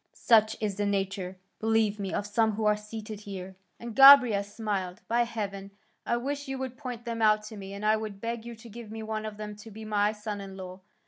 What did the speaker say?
Such is the nature, believe me, of some who are seated here." And Gobryas smiled. "By heaven, I wish you would point them out to me, and I would beg you to give me one of them to be my son in law."